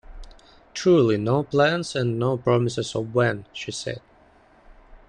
"Truly, no plans and no promises of when," she said.